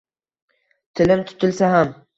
Tilim tutilsa ham…